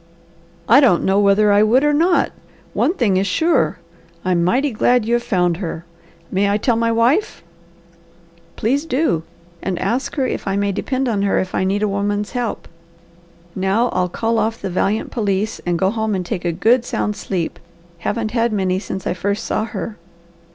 "I don't know whether I would or not. One thing is sure: I'm mighty glad you have found her. May I tell my wife?" "Please do! And ask her if I may depend on her if I need a woman's help. Now I'll call off the valiant police and go home and take a good, sound sleep. Haven't had many since I first saw her."